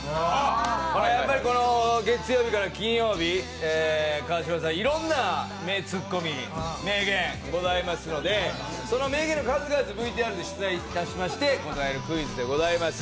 やっぱり月曜日から金曜日、川島さん、いろんな名ツッコミ名言ございますので、名言の数々をＶＴＲで出題しまして答えるクイズでございます。